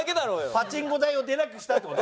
パチンコ台を出なくしたって事？